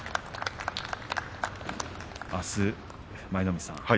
あす、舞の海さん